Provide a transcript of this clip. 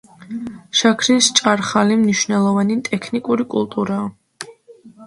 შაქრის ჭარხალი მნიშვნელოვანი ტექნიკური კულტურაა.